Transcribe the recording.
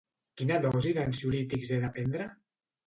Quina dosi d'ansiolítics he de prendre?